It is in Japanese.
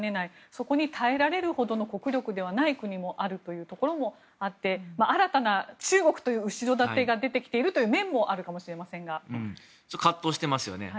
そこに耐えられるほどの国力ではない国もあるというところもあって新たな、中国という後ろ盾が出てきているという面も葛藤していますよね。